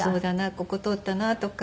ここ通ったなとか。